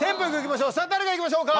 さぁ誰からいきましょうか？